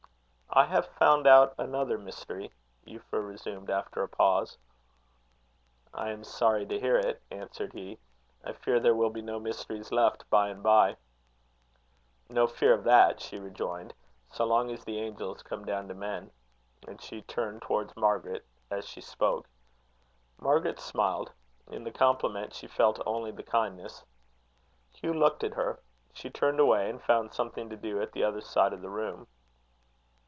"I have found out another mystery," Euphra resumed, after a pause. "I am sorry to hear it," answered he. "I fear there will be no mysteries left by and by." "No fear of that," she rejoined, "so long as the angels come down to men." And she turned towards Margaret as she spoke. Margaret smiled. In the compliment she felt only the kindness. Hugh looked at her. She turned away, and found something to do at the other side of the room.